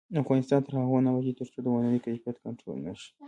افغانستان تر هغو نه ابادیږي، ترڅو د ودانیو کیفیت کنټرول نشي.